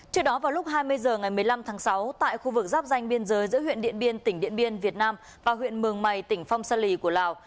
trước đó vào lúc hai mươi h ngày một mươi năm tháng sáu tại khu vực giáp danh biên giới giữa huyện điện biên tỉnh điện biên việt nam và huyện mường mày tỉnh phong sa lì của lào